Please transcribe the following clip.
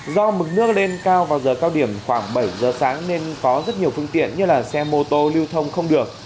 do mực nước lên cao vào giờ cao điểm khoảng bảy giờ sáng nên có rất nhiều phương tiện như xe mô tô lưu thông không được